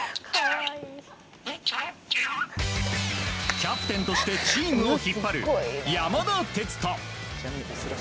キャプテンとしてチームを引っ張る山田哲人。